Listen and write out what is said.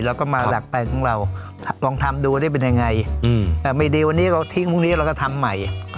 แล้วก็มาหลักปลายของเรา